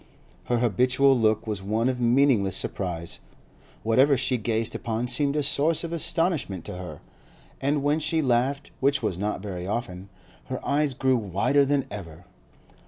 Her habitual look was one of meaningless surprise; whatever she gazed upon seemed a source of astonishment to her, and when she laughed, which was not very often, her eyes grew wider than ever.